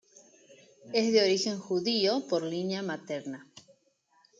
Es de origen judío por línea materna.